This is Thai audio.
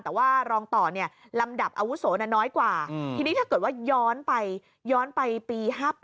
แต่ว่ารองต่อลำดับอาวุโสน้อยกว่าทีนี้ถ้าเกิดว่าย้อนไปย้อนไปปี๕๘